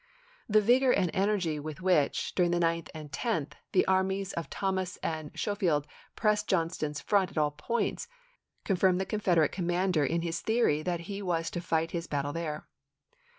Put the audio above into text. The vigor and energy with which, during the 9th and 10th, the May,i86±. armies of Thomas and Schofield pressed Johnston's front at all points confirmed the Confederate com mander in his theory that he was to fight his battle there.